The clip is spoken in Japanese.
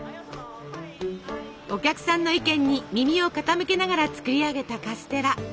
お客さんの意見に耳を傾けながら作り上げたカステラ。